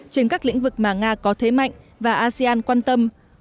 trên các lĩnh vực mà nga có thế mạnh và asean quan tâm